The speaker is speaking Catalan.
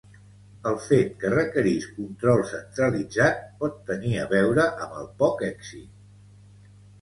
El fet que requerís control centralitzat, pot tenir a veure amb el poc èxit.